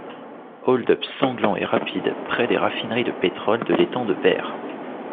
Hold-up sanglant et rapide près des raffineries de pétrole de l'étang de Berre.